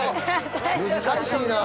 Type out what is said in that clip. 難しいな。